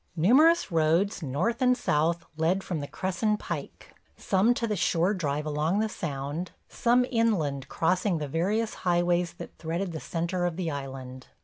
Numerous roads, north and south, led from the Cresson Pike, some to the shore drive along the Sound, some inland crossing the various highways that threaded the center of the Island.